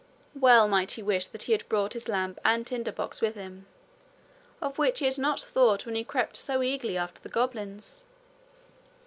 Well might he wish that he had brought his lamp and tinder box with him, of which he had not thought when he crept so eagerly after the goblins!